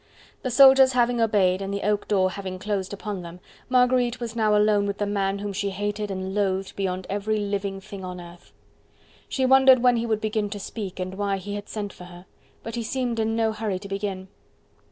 The soldiers having obeyed and the oak door having closed upon them, Marguerite was now alone with the man whom she hated and loathed beyond every living thing on earth. She wondered when he would begin to speak and why he had sent for her. But he seemed in no hurry to begin.